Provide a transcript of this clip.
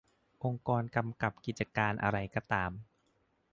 องค์กรกำกับกิจการอะไรก็ตาม